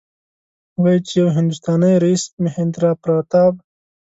وايي چې یو هندوستانی رئیس مهیندراپراتاپ.